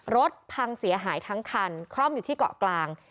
รถพังเสียหายทั้งคันคล่อมอยู่ที่เกาะกลาง